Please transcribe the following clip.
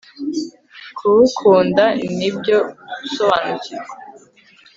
kubukunda ni byo gusobanukirwa